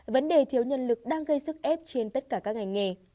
vấn đề thiếu nhân lực đang gây sức ép trên tất cả các ngành nghề